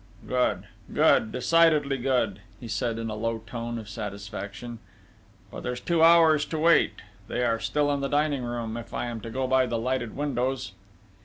"Good! Good! Decidedly good!" he said, in a low tone of satisfaction.... "But there's two hours to wait ... they are still in the dining room, if I am to go by the lighted windows."